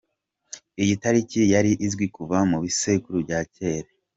Iyi tariki yari izwi kuva mu bisekuru bya cyera….